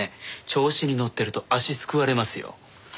調子に乗ってると足すくわれますよ。